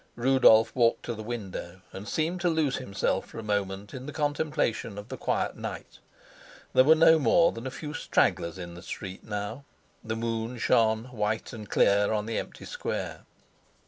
Rudolf walked to the window and seemed to lose himself for a moment in the contemplation of the quiet night. There were no more than a few stragglers in the street now; the moon shone white and clear on the empty square.